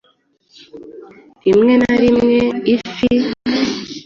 rimwe na rimwe Ifi,